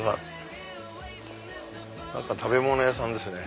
何か食べ物屋さんですね。